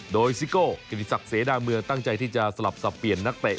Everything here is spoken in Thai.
โดยซิโก้กิติศักดิ์เสนาเมืองตั้งใจที่จะสลับสับเปลี่ยนนักเตะ